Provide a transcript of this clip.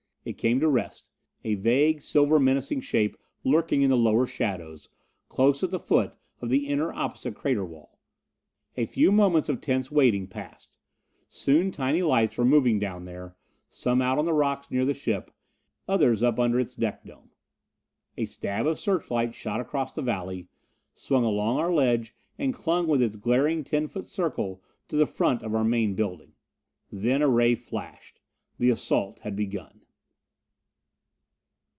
It came to rest, a vague silver menacing shape lurking in the lower shadows, close at the foot of the inner opposite crater wall. A few moments of tense waiting passed. Soon tiny lights were moving down there, some out on the rocks near the ship, others up under its deck dome. A stab of searchlight shot across the valley, swung along our ledge and clung with its glaring ten foot circle to the front of our main building. Then a ray flashed. The assault had begun!